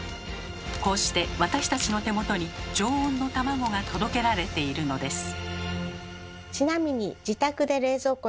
こうして私たちの手元に常温の卵が届けられているのです。